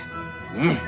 うん！